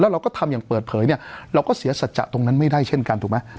เราก็ทำอย่างเปิดเผยเนี่ยเราก็เสียสัจจะตรงนั้นไม่ได้เช่นกันถูกไหม